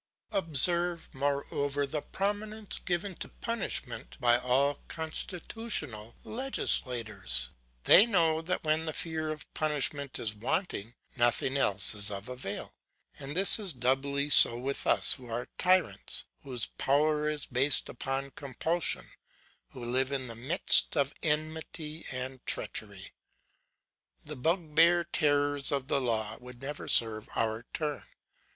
'Observe, moreover, the prominence given to punishment by all constitutional legislators; they know that when the fear of punishment is wanting, nothing else is of avail. And this is doubly so with us who are tyrants; whose power is based upon compulsion; who live in the midst of enmity and treachery. The bugbear terrors of the law would never serve our turn.